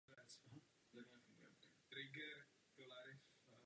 To nám umožní vybudovat mocnou, dynamickou a konkurenceschopnou Evropskou unii.